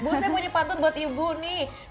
bu saya punya pantun buat ibu nih